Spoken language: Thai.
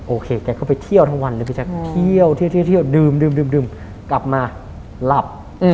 โอเคแกก็ไปเที่ยวทั้งวันเลยพี่แจ๊คเที่ยวเที่ยวดื่มกลับมาหลับ